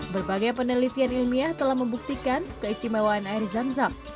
berbagai penelitian ilmiah telah membuktikan keistimewaan air zam zam